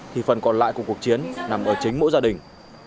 thì phần còn lại của cuộc chiến nằm ở chính mỗi gia đình